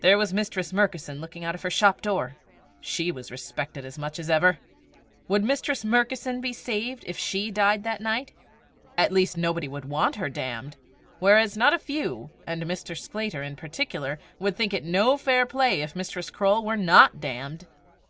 There was Mistress Murkison looking out of her shop door! She was respected as much as ever! Would Mistress Murkison be saved if she died that night? At least nobody would want her damned; whereas not a few, and Mr. Sclater in particular, would think it no fair play if Mistress Croale were not damned!